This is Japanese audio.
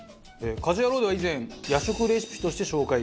『家事ヤロウ！！！』では以前夜食レシピとして紹介。